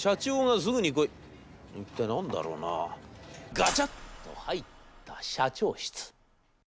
ガチャっと入った社長室。